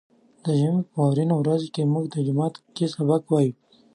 د ژمي په واورينو ورځو کې به موږ په جومات کې سبق وايه.